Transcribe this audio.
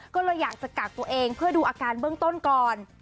ก็เลยอยากจะกักตัวเองเพื่อดูอาการเบื้องต้นก่อน